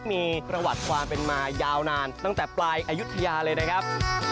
มีประวัติความเป็นมายาวนานตั้งแต่ปลายอายุทยาเลยนะครับ